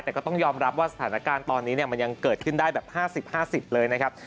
แต่ก็ต้องยอมรับว่าสถานการณ์ตอนนี้มันยังเกิดขึ้นได้แบบ๕๐๕๐เลยนะครับ